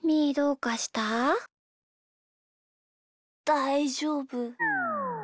だいじょうぶ。